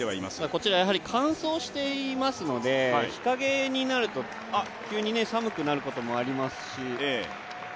こちらやはり乾燥していますので日陰になると急に寒くなることもありますし。